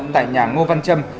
tại nhà ngô văn trâm